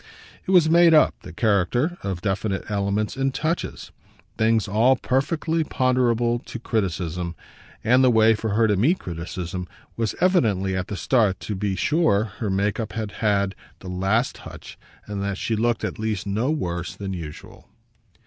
It was made up, the character, of definite elements and touches things all perfectly ponderable to criticism; and the way for her to meet criticism was evidently at the start to be sure her make up had had the last touch and that she looked at least no worse than usual.